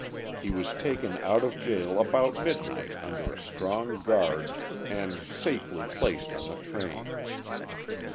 He was taken out of jail about midnight under a strong guard, and safely placed on the train.